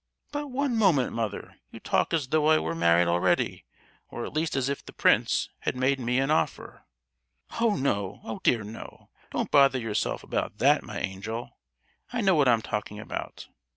"But, one moment, mother; you talk as though I were married already, or at least as if the prince had made me an offer!" "Oh, no—oh dear, no! don't bother yourself about that, my angel! I know what I'm talking about!